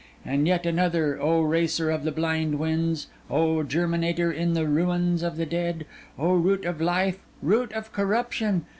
And yet another, O racer of the blind winds, O germinator in the ruins of the dead, O root of life, root of corruption!